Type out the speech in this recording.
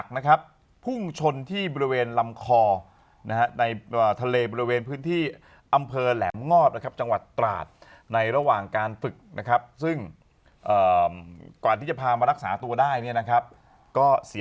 คุณกินอะไรในระหว่างการจัดรายการ